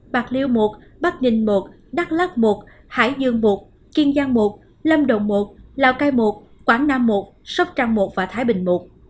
bạc liêu một bắc ninh một đắk lắc một hải dương một kiên giang một lâm đồng một lào cai một quảng nam một sóc trăng một và thái bình i